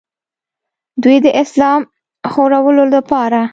دوي د اسلام خورولو دپاره